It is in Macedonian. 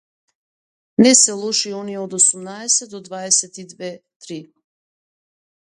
Не се лоши оние од осумнаесет до дваесет и две-три.